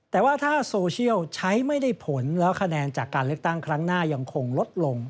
แต่ว่าถ้าโซเชียลใช้ไม่ได้ผลแล้วคะแนนจากการเลือกตั้งครั้งหน้ายังคงลดลง